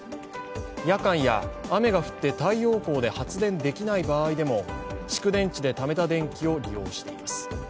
夜間や雨が降って太陽光で発電できない場合でも蓄電池でためた電気を利用しています。